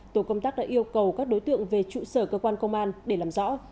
tổ công tác đã yêu cầu các đối tượng về trụ sở cơ quan công an để làm rõ